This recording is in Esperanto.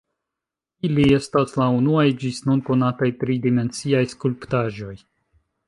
Ili estas la unuaj ĝis nun konataj tri-dimensiaj skulptaĵoj.